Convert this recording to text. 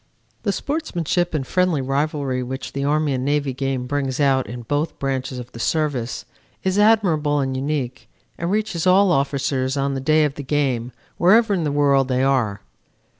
"The sportsmanship and friendly rivalry which the Army and Navy game brings out in both branches of the Service is admirable and unique and reaches all officers on the day of the game wherever in the world they are.